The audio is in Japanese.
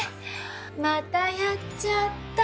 またやっちゃった。